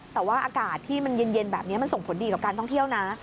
แต่ว่าอากาศที่มันเย็นแบบนี้มันส่งผลดีกับการท่องเที่ยวนะ